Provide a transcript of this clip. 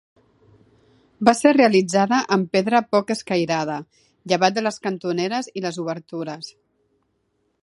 Va ser realitzada amb pedra poc escairada, llevat de les cantoneres i les obertures.